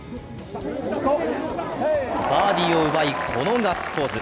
バーディーを奪い、このガッツポーズ。